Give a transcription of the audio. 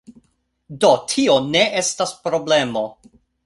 Do, tio ne estas problemo